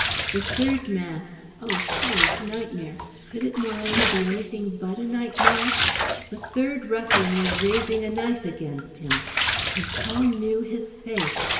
The third man Oh, hideous nightmare! Could it moreover be anything but a nightmare? the third ruffian was raising a knife against him; and Paul knew his face